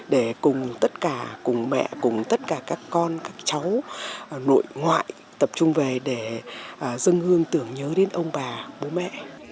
để cùng tất cả cùng mẹ cùng tất cả các con các cháu nội ngoại tập trung về để dân hương tưởng nhớ đến ông bà bố mẹ